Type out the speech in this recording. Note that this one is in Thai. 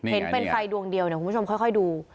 เห็นเป็นไฟดวงเดียวเนี่ยคุณผู้ชมค่อยดู